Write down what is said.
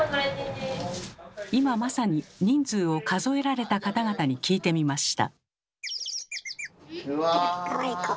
今まさに人数を数えられた方々に聞いてみました。